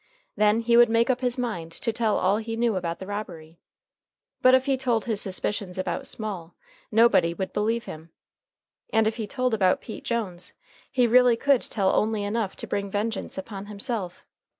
Then he would make up his mind to tell all he knew about the robbery. But if he told his suspicions about Small, nobody would believe him. And if he told about Pete Jones, he really could tell only enough to bring vengeance upon himself.